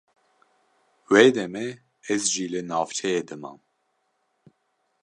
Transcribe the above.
Wê demê ez jî li navçeyê dimam.